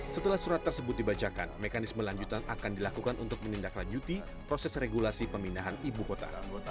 setelah surat tersebut dibacakan mekanisme lanjutan akan dilakukan untuk menindaklanjuti proses regulasi pemindahan ibu kota